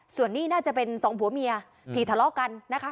ส่วนนี้น่าจะเป็นสองผัวเมียที่ทะเลาะกันนะคะ